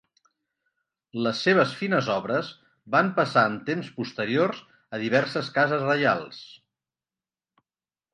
Les seves fines obres van passar en temps posteriors a diverses cases reials.